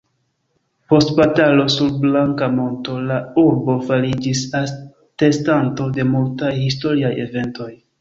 Post batalo sur Blanka Monto la urbo fariĝis atestanto de multaj historiaj eventoj.